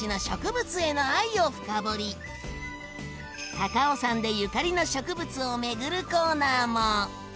高尾山でゆかりの植物を巡るコーナーも。